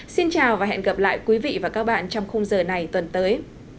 xin chào và hẹn gặp lại quý vị và các bạn trong khung giờ này tuần tới